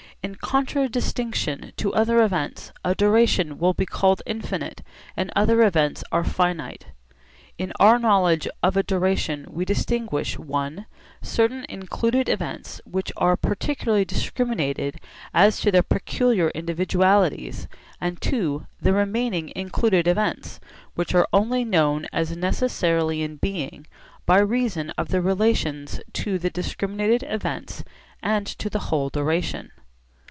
In contradistinction to other events a duration will be called infinite and the other events are finite. In our knowledge of a duration we distinguish (i) certain included events which are particularly discriminated as to their peculiar individualities, and (ii) the remaining included events which are only known as necessarily in being by reason of their relations to the discriminated events and to the whole duration.